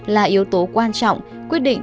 là yếu tố quan trọng quyết định